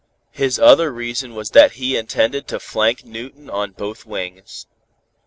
His other reason was that he intended to flank Newton on both wings.